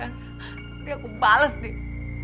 nanti aku bales nih